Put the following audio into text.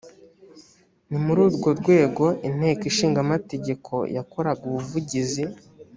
ni muri urwo rwego inteko ishingamategeko yakora ubuvugizi